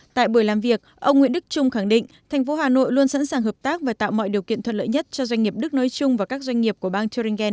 tại buổi làm việc ông nguyễn đức trung khẳng định thành phố hà nội luôn sẵn sàng hợp tác và tạo mọi điều kiện thuận lợi nhất cho doanh nghiệp đức nói chung và các doanh nghiệp của bang thuringen